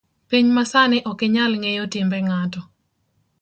Piny masani okinyal ngeyo timbe ngato